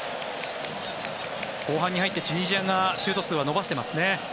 後半に入ってチュニジアがシュート数は伸ばしてますね。